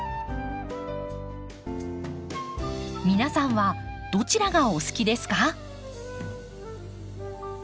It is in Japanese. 皆さんはどちらがお好きですか？